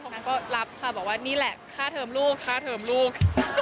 นางก็รับค่ะบอกว่านี่แหละค่าเทอมลูกค่าเทอมลูก